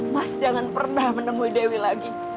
mas jangan pernah menemui dewi lagi